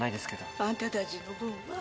あんたたちの分は？